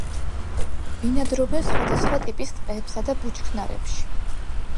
ბინადრობენ სხვადასხვა ტიპის ტყეებსა და ბუჩქნარებში.